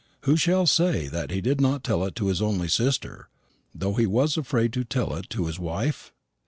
Who shall say that he did not tell it to his only sister, though he was afraid to tell it to his wife?